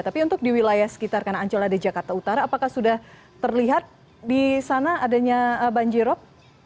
tapi untuk di wilayah sekitar karena ancol ada jakarta utara apakah sudah terlihat di sana adanya banjirop